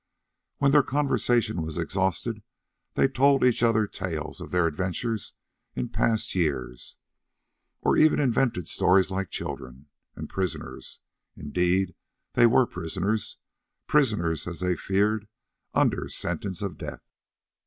When their conversation was exhausted they told each other tales of their adventures in past years, or even invented stories like children and prisoners; indeed they were prisoners—prisoners, as they feared, under sentence of death.